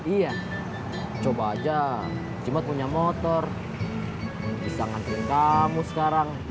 iya coba aja cuma punya motor bisa ngantri kamu sekarang